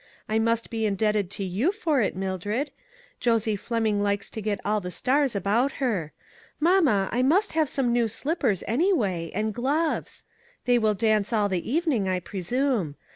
I must be indebted to you for it, Mildred. Josie Fleming likes to get all the stars about her. Mamma, I must have some new slippers, anyway, and gloves ; they will dance all the evening, I presume.